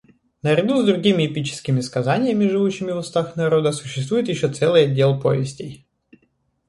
Наряду с другими эпическими сказаниями, живущими в устах народа, существует еще целый отдел повестей.